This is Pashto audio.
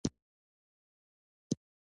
دې وازدې څومره خوند وکړ، ډېره خوږه ده.